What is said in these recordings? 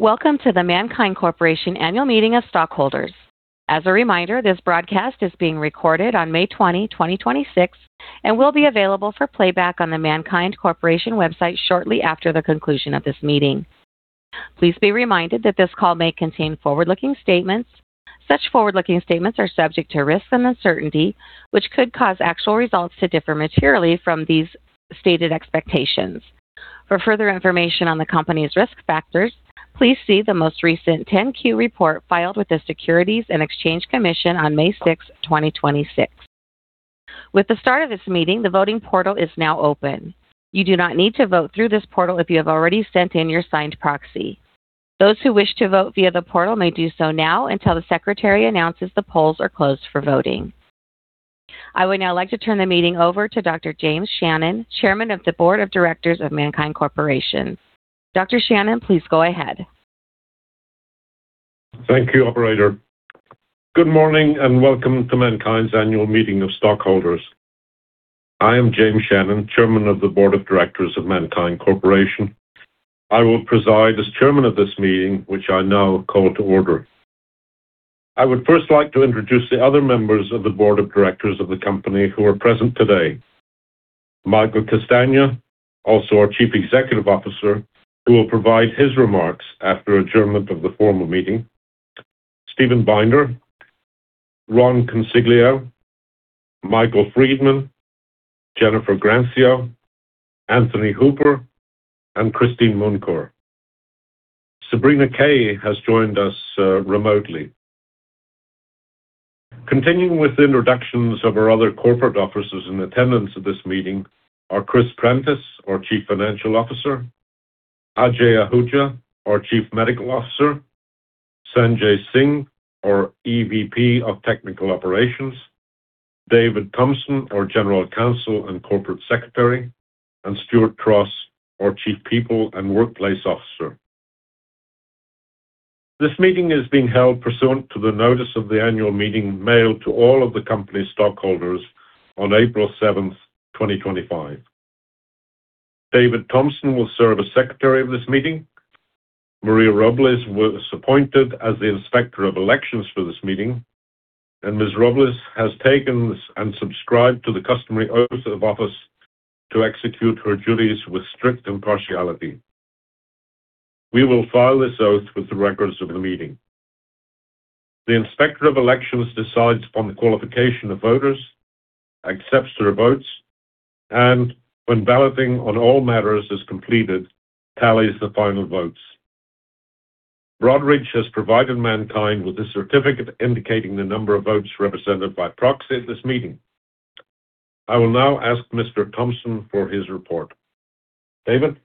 Welcome to the MannKind Corporation Annual Meeting of Stockholders. As a reminder, this broadcast is being recorded on May 20, 2026, and will be available for playback on the MannKind Corporation website shortly after the conclusion of this meeting. Please be reminded that this call may contain forward-looking statements. Such forward-looking statements are subject to risks and uncertainty, which could cause actual results to differ materially from these stated expectations. For further information on the company's risk factors, please see the most recent 10-Q report filed with the Securities and Exchange Commission on May 6th, 2026. With the start of this meeting, the voting portal is now open. You do not need to vote through this portal if you have already sent in your signed proxy. Those who wish to vote via the portal may do so now until the secretary announces the polls are closed for voting. I would now like to turn the meeting over to Dr. James Shannon, Chairman of the Board of Directors of MannKind Corporation. Dr. Shannon, please go ahead. Thank you, operator. Good morning, welcome to MannKind's Annual Meeting of Stockholders. I am James Shannon, Chairman of the Board of Directors of MannKind Corporation. I will preside as chairman of this meeting, which I now call to order. I would first like to introduce the other members of the board of directors of the company who are present today. Michael Castagna, also our Chief Executive Officer, who will provide his remarks after adjournment of the formal meeting. Steven Binder, Ron Consiglio, Michael Friedman, Jennifer Grancio, Anthony Hooper, and Christine Mundkur. Sabrina Kay has joined us remotely. Continuing with introductions of our other corporate officers in attendance of this meeting are Christopher Prentiss, our Chief Financial Officer, Ajay Ahuja, our Chief Medical Officer, Sanjay Singh, our EVP of Technical Operations, David Thomson, our General Counsel and Corporate Secretary, and Stuart A. Tross, our Chief People and Workplace Officer. This meeting is being held pursuant to the notice of the annual meeting mailed to all of the company's stockholders on April 7th, 2025. David Thomson will serve as Secretary of this meeting. Maria Robles was appointed as the Inspector of Elections for this meeting. Ms. Robles has taken and subscribed to the customary oath of office to execute her duties with strict impartiality. We will file this oath with the records of the meeting. The Inspector of Elections decides upon the qualification of voters, accepts their votes, and when balloting on all matters is completed, tallies the final votes. Broadridge has provided MannKind with a certificate indicating the number of votes represented by proxy at this meeting. I will now ask Mr. Thomson for his report. David?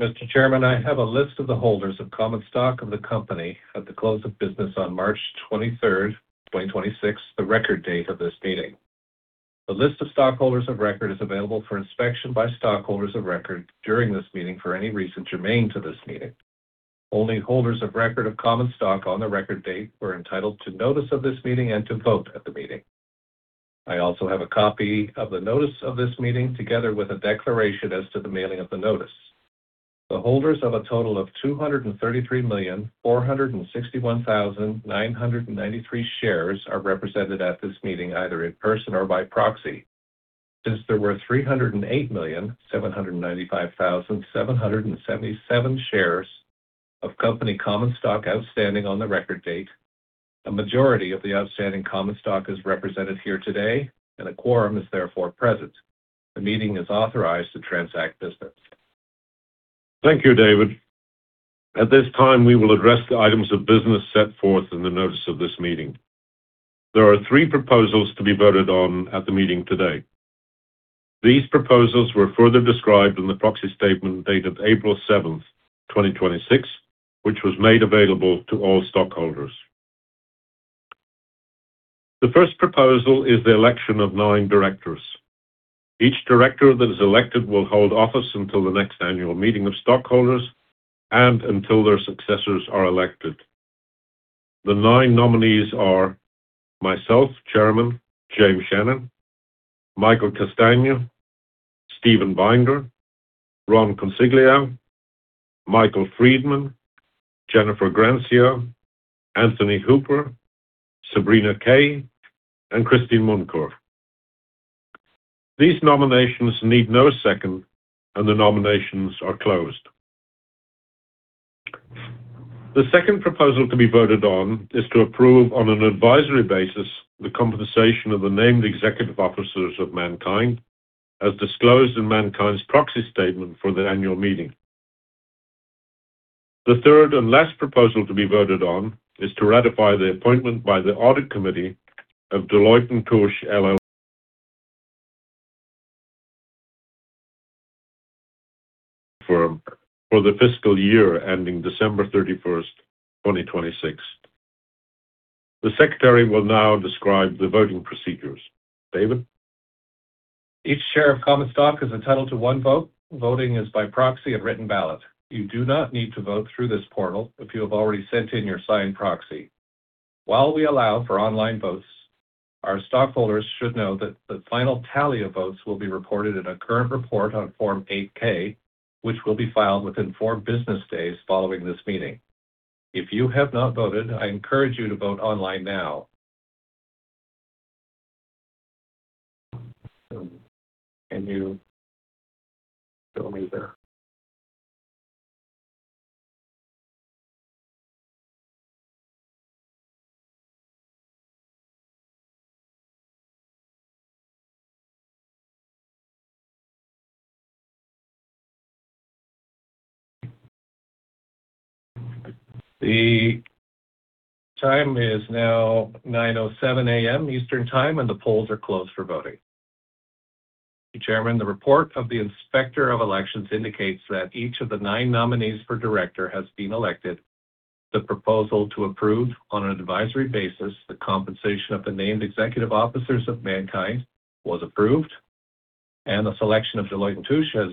Mr. Chairman, I have a list of the holders of common stock of the company at the close of business on March 23rd, 2026, the record date of this meeting. The list of stockholders of record is available for inspection by stockholders of record during this meeting for any reason germane to this meeting. Only holders of record of common stock on the record date were entitled to notice of this meeting and to vote at the meeting. I also have a copy of the notice of this meeting, together with a declaration as to the mailing of the notice. The holders of a total of 233,461,993 shares are represented at this meeting, either in person or by proxy. Since there were 308,795,777 shares of company common stock outstanding on the record date, a majority of the outstanding common stock is represented here today, and a quorum is therefore present. The meeting is authorized to transact business. Thank you, David. At this time, we will address the items of business set forth in the notice of this meeting. There are three proposals to be voted on at the meeting today. These proposals were further described in the proxy statement dated April 7th, 2026, which was made available to all stockholders. The first proposal is the election of nine directors. Each director that is elected will hold office until the next annual meeting of stockholders and until their successors are elected. The nine nominees are myself, Chairman James Shannon, Michael Castagna, Steven Binder, Ronald Consiglio, Michael Friedman, Jennifer Grancio, Anthony Hooper, Sabrina Kay, and Christine Mundkur. These nominations need no second, the nominations are closed. The second proposal to be voted on is to approve, on an advisory basis, the compensation of the named executive officers of MannKind, as disclosed in MannKind's proxy statement for the annual meeting. The third and last proposal to be voted on is to ratify the appointment by the Audit Committee of Deloitte & Touche LLP, firm for the fiscal year ending December 31st, 2026. The secretary will now describe the voting procedures. David? Each share of common stock is entitled to one vote. Voting is by proxy of written ballot. You do not need to vote through this portal if you have already sent in your signed proxy. While we allow for online votes, our stockholders should know that the final tally of votes will be reported in a current report on Form 8-K, which will be filed within four business days following this meeting. If you have not voted, I encourage you to vote online now. You still need to. The time is now 9:07 A.M. Eastern Time, and the polls are closed for voting. Chairman, the report of the Inspector of Elections indicates that each of the nine nominees for director has been elected. The proposal to approve, on an advisory basis, the compensation of the named executive officers of MannKind was approved, and the selection of Deloitte & Touche as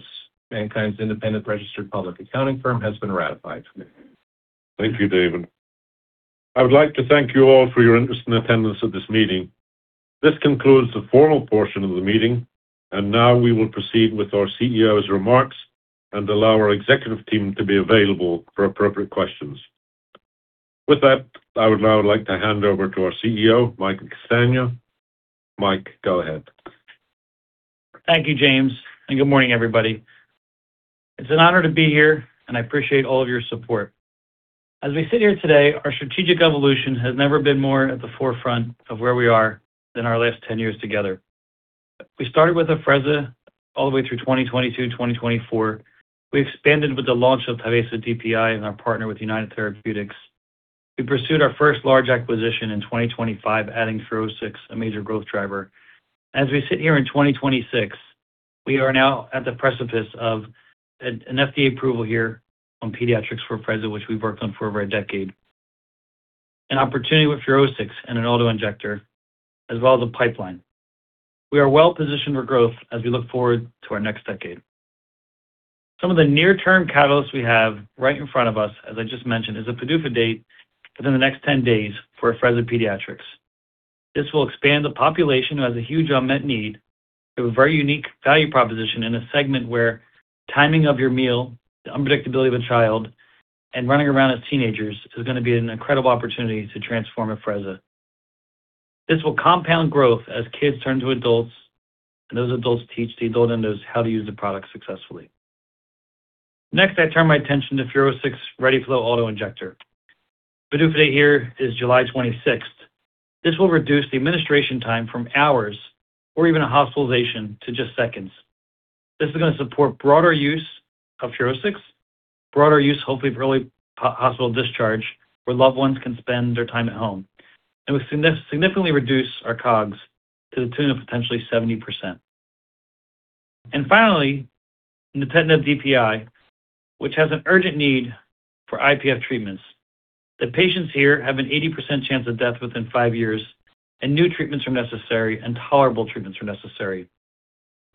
MannKind's independent registered public accounting firm has been ratified. Thank you, David. I would like to thank you all for your interest and attendance at this meeting. This concludes the formal portion of the meeting, and now we will proceed with our CEO's remarks and allow our executive team to be available for appropriate questions. With that, I would now like to hand over to our CEO, Mike Castagna. Mike, go ahead. Thank you, James, and good morning, everybody. It's an honor to be here, and I appreciate all of your support. As we sit here today, our strategic evolution has never been more at the forefront of where we are than our last 10 years together. We started with Afrezza all the way through 2022, 2024. We expanded with the launch of TYVASO DPI and our partner with United Therapeutics. We pursued our first large acquisition in 2025, adding FUROSCIX, a major growth driver. As we sit here in 2026, we are now at the precipice of an FDA approval here on pediatrics for Afrezza, which we've worked on for over a decade, an opportunity with FUROSCIX and an auto-injector, as well as a pipeline. We are well-positioned for growth as we look forward to our next decade. Some of the near-term catalysts we have right in front of us, as I just mentioned, is a PDUFA date within the next 10 days for Afrezza pediatrics. This will expand the population who has a huge unmet need to a very unique value proposition in a segment where timing of your meal, the unpredictability of a child, and running around as teenagers is going to be an incredible opportunity to transform Afrezza. This will compound growth as kids turn to adults and those adults teach the adult endos how to use the product successfully. I turn my attention to FUROSCIX ReadyFlow Autoinjector. PDUFA date here is July 26th. This will reduce the administration time from hours or even a hospitalization to just seconds. This is going to support broader use of FUROSCIX, broader use, hopefully, of early hospital discharge, where loved ones can spend their time at home. We significantly reduce our COGS to the tune of potentially 70%. Finally, nintedanib DPI, which has an urgent need for IPF treatments. The patients here have an 80% chance of death within five years, and new treatments are necessary and tolerable treatments are necessary.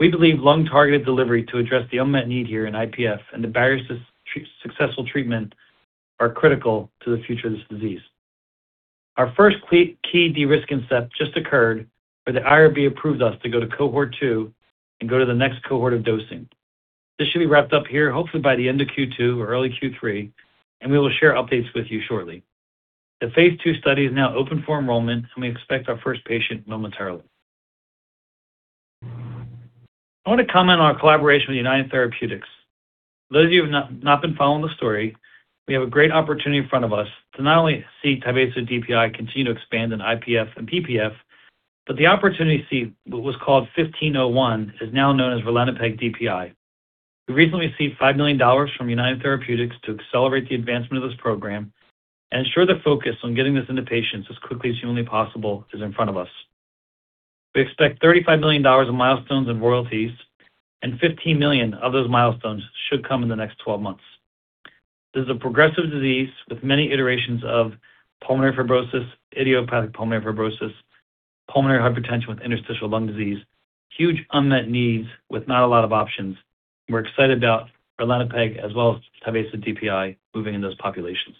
We believe lung-targeted delivery to address the unmet need here in IPF and the barriers to successful treatment are critical to the future of this disease. Our first key de-risking step just occurred where the IRB approved us to go to cohort 2 and go to the next cohort of dosing. This should be wrapped up here, hopefully by the end of Q2 or early Q3, and we will share updates with you shortly. The phase II study is now open for enrollment, and we expect our first patient momentarily. I want to comment on our collaboration with United Therapeutics. Those of you who have not been following the story, we have a great opportunity in front of us to not only see TYVASO DPI continue to expand in IPF and PPF, but the opportunity to see what was called 1501 is now known as ralinepag DPI. We recently received $5 million from United Therapeutics to accelerate the advancement of this program and ensure the focus on getting this into patients as quickly as humanly possible is in front of us. We expect $35 million in milestones and royalties, and $15 million of those milestones should come in the next 12 months. This is a progressive disease with many iterations of pulmonary fibrosis, idiopathic pulmonary fibrosis, pulmonary hypertension with interstitial lung disease. Huge unmet needs with not a lot of options. We're excited about ralinepag as well as TYVASO DPI moving in those populations.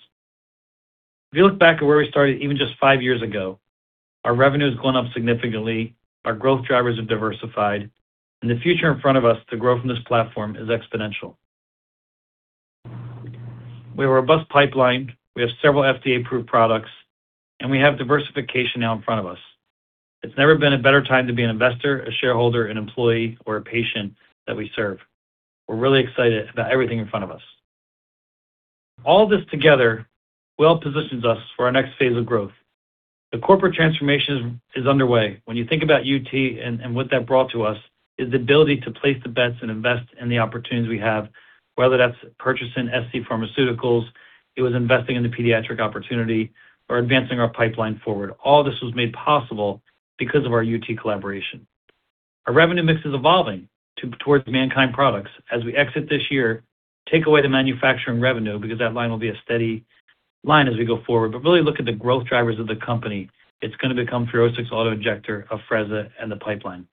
If you look back at where we started even just five years ago, our revenue has gone up significantly. Our growth drivers have diversified. The future in front of us to grow from this platform is exponential. We have a robust pipeline, we have several FDA-approved products, and we have diversification now in front of us. It's never been a better time to be an investor, a shareholder, an employee, or a patient that we serve. We're really excited about everything in front of us. All this together well positions us for our next phase of growth. The corporate transformation is underway. You think about UT and what that brought to us is the ability to place the bets and invest in the opportunities we have, whether that's purchasing scPharmaceuticals, it was investing in the pediatric opportunity or advancing our pipeline forward. All this was made possible because of our UT collaboration. Our revenue mix is evolving towards MannKind products. As we exit this year, take away the manufacturing revenue because that line will be a steady line as we go forward. Really look at the growth drivers of the company. It's going to become FUROSCIX ReadyFlow Autoinjector, Afrezza, and the pipeline.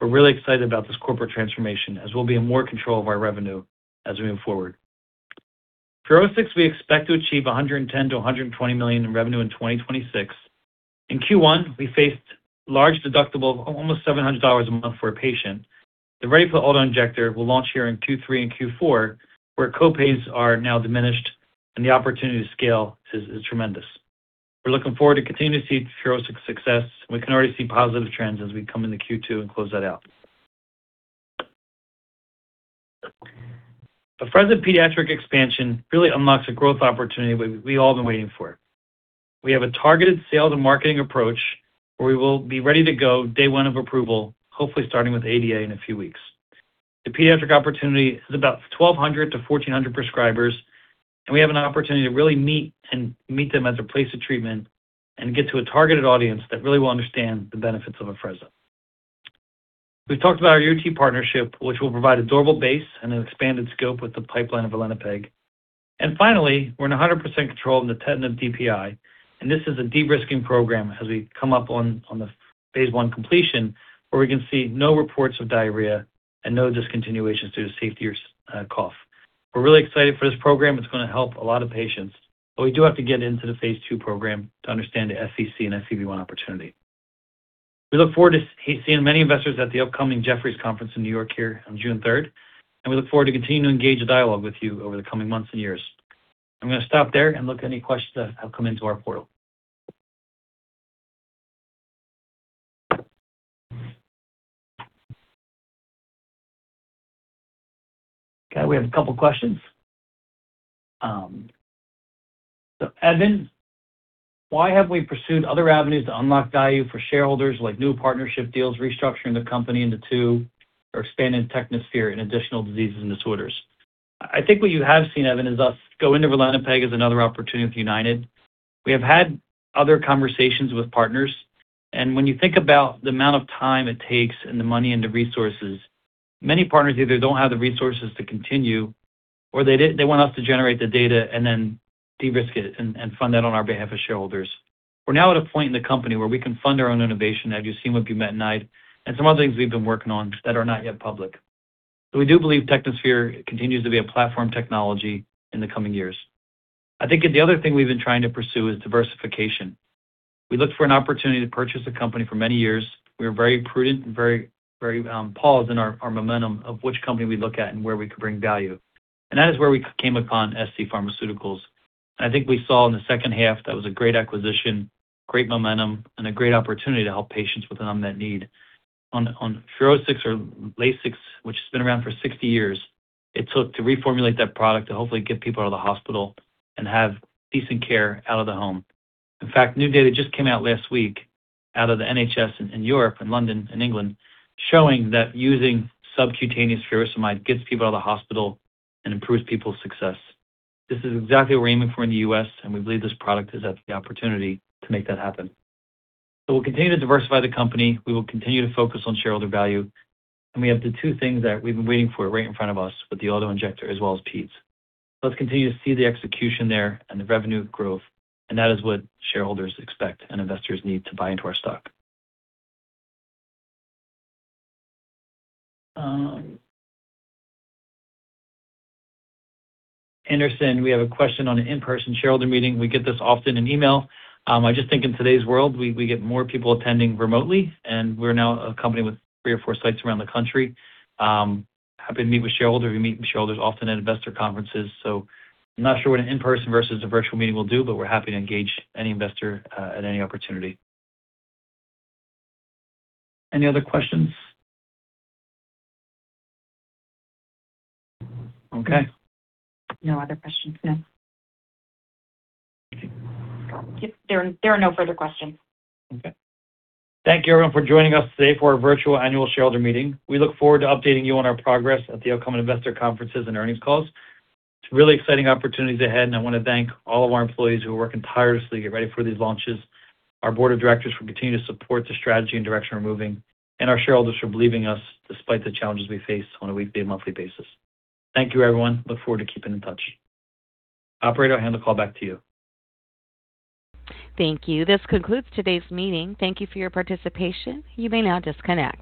We're really excited about this corporate transformation as we'll be in more control of our revenue as we move forward. For FUROSCIX, we expect to achieve $110 million-$120 million in revenue in 2026. In Q1, we faced large deductible of almost $700 a month for a patient. The ReadyFlow Autoinjector will launch here in Q3 and Q4, where co-pays are now diminished and the opportunity to scale is tremendous. We're looking forward to continuing to see FUROSCIX success. We can already see positive trends as we come into Q2 and close that out. Afrezza pediatric expansion really unlocks a growth opportunity we all have been waiting for. We have a targeted sales and marketing approach where we will be ready to go day one of approval, hopefully starting with ADA in a few weeks. The pediatric opportunity is about 1,200 to 1,400 prescribers, and we have an opportunity to really meet them at their place of treatment and get to a targeted audience that really will understand the benefits of Afrezza. We've talked about our UT partnership, which will provide a durable base and an expanded scope with the pipeline of ralinepag. Finally, we're in 100% control of the patent of DPI, and this is a de-risking program as we come up on the phase I completion, where we can see no reports of diarrhea and no discontinuations due to safety or cough. We're really excited for this program. It's going to help a lot of patients, but we do have to get into the phase II program to understand the FVC and FEV1 opportunity. We look forward to seeing many investors at the upcoming Jefferies conference in New York here on June 3rd, and we look forward to continuing to engage a dialogue with you over the coming months and years. I'm going to stop there and look at any questions that have come into our portal. Okay, we have a couple of questions. Evan, "Why have we pursued other avenues to unlock value for shareholders, like new partnership deals, restructuring the company into two, or expanding Technosphere in additional diseases and disorders?" I think what you have seen, Evan, is us go into ralinepag as another opportunity with United. We have had other conversations with partners, and when you think about the amount of time it takes and the money and the resources, many partners either don't have the resources to continue, or they want us to generate the data and then de-risk it and fund that on our behalf as shareholders. We're now at a point in the company where we can fund our own innovation, as you've seen with bumetanide and some other things we've been working on that are not yet public. We do believe Technosphere continues to be a platform technology in the coming years. I think the other thing we've been trying to pursue is diversification. We looked for an opportunity to purchase a company for many years. We were very prudent and very paused in our momentum of which company we look at and where we could bring value. That is where we came upon scPharmaceuticals. I think we saw in the second half that was a great acquisition, great momentum, and a great opportunity to help patients with an unmet need. On FUROSCIX or Lasix, which has been around for 60 years, it took to reformulate that product to hopefully get people out of the hospital and have decent care out of the home. In fact, new data just came out last week out of the NHS in Europe and London and England, showing that using subcutaneous furosemide gets people out of the hospital and improves people's success. This is exactly what we're aiming for in the U.S. We believe this product has the opportunity to make that happen. We'll continue to diversify the company. We will continue to focus on shareholder value. We have the two things that we've been waiting for right in front of us with the autoinjector as well as peds. Let's continue to see the execution there and the revenue growth, and that is what shareholders expect and investors need to buy into our stock. Anderson, we have a question on an in-person shareholder meeting. We get this often in email. I just think in today's world, we get more people attending remotely, and we're now a company with three or four sites around the country. Happy to meet with shareholders. We meet with shareholders often at investor conferences. I'm not sure what an in-person versus a virtual meeting will do, but we're happy to engage any investor at any opportunity. Any other questions? Okay. No other questions, no. Okay. There are no further questions. Okay. Thank you, everyone, for joining us today for our virtual annual shareholder meeting. We look forward to updating you on our progress at the upcoming investor conferences and earnings calls. It's really exciting opportunities ahead. I want to thank all of our employees who are working tirelessly to get ready for these launches, our board of directors who continue to support the strategy and direction we're moving, and our shareholders for believing in us despite the challenges we face on a weekday and monthly basis. Thank you, everyone. Look forward to keeping in touch. Operator, I'll hand the call back to you. Thank you. This concludes today's meeting. Thank you for your participation. You may now disconnect.